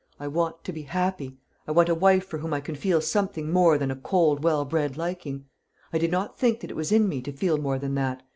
I want to be happy. I want a wife for whom I can feel something more than a cold well bred liking. I did not think that it was in me to feel more than that.